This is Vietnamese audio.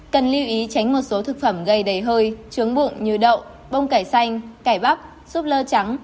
cần lưu ý tránh một số thực phẩm gây đầy hơi trướng bụng như đậu bông cải xanh cải vóc súp lơ trắng